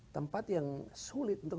tempat yang sulit untuk